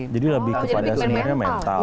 jadi lebih kepada sebenarnya mental